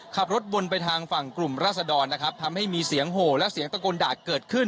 ขับรถวนไปทางฝั่งกลุ่มราศดรนะครับทำให้มีเสียงโหและเสียงตะโกนด่าเกิดขึ้น